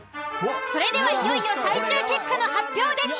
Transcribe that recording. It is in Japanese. それではいよいよ最終結果の発表です。